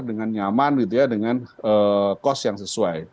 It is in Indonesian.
dengan nyaman dengan cost yang sesuai